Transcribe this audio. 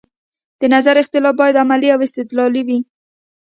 د نظر اختلاف باید علمي او استدلالي وي